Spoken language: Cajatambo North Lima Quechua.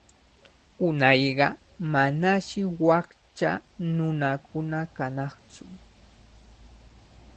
Unayqa manashi wakcha nunakuna kanaqtsu.